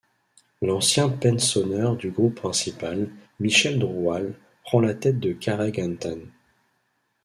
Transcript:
L'ancien penn-soner du groupe principal, Michel Droual, prend la tête de Karreg An Tan.